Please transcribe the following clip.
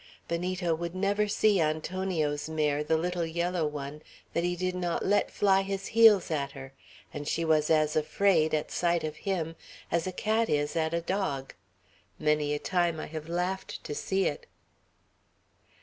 Benito would never see Antonio's mare, the little yellow one, that he did not let fly his heels at her; and she was as afraid, at sight of him, as a cat is at a dog. Many a time I have laughed to see it."